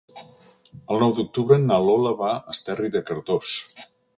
El nou d'octubre na Lola va a Esterri de Cardós.